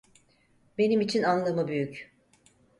Benim için anlamı büyük.